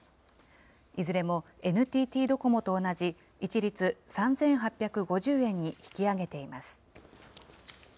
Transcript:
いずれもＮＴＴドコモと同じ、一律３８５０円に引き上げています。